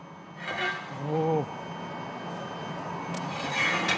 おお。